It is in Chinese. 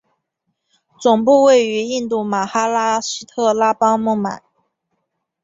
总部位于印度马哈拉施特拉邦孟买。